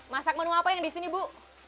masak menu apa yang di sini bu